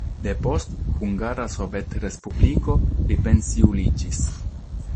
Depost Hungara Sovetrespubliko li pensiuliĝis.